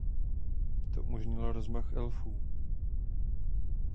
To umožnilo rozmach elfů.